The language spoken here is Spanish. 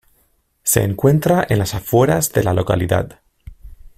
Se encuentra en las afueras de la localidad.